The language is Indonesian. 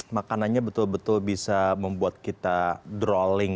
makanannya betul betul bisa membuat kita dralling